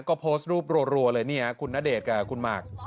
ก็โพสต์รูปรวดรัวเลยคุณณเดชน์กับคุณมาร์ก